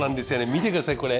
見てくださいこれ。